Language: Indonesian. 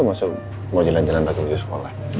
mau jalan jalan waktu ke sekolah